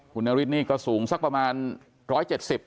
คุณนฤทธิ์นี่ก็สูงสักประมาณร้อยเจ็ดสิบ